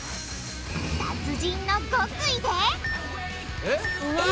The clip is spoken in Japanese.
達人の極意でえっ！